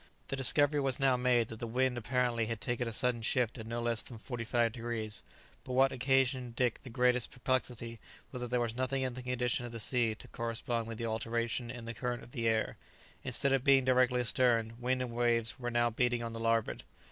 The discovery was now made that the wind apparently had taken a sudden shift of no less than forty five degrees; but what occasioned Dick the greatest perplexity was that there was nothing in the condition of the sea to correspond with the alteration in the current of the air; instead of being directly astern, wind and waves were now beating on the larboard.